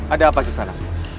ada apa ke sana